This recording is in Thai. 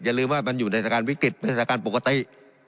อย่าลืมว่ามันอยู่ในสถานการณ์วิกฤติไม่ใช่สถานการณ์ปกติ